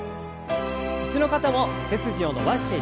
椅子の方も背筋を伸ばして上体を前に。